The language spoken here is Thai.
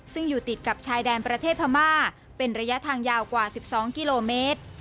ซึ่งอยู่ติดกับชายแดนประเทศพม่าเป็นระยะทางยาวกว่า๑๒กิโลเมตร